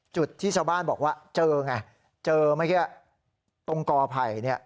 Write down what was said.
จุดที่ชาวบ้านบอกว่าเจอไงเจอไม่แค่ตรงกอภัยเนี่ย